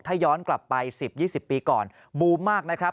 ถ้าย้อนกลับไป๑๐๒๐ปีก่อนบูมมากนะครับ